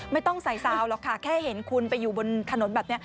ไม่ต้องใส่ซาวหรอกค่ะแค่เห็นคุณไปอยู่บนถนนแบบนี้